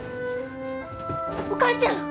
お母ちゃん！